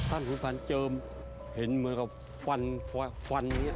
ท่านขุมฟันเจิมเห็นเหมือนกับฟันนี่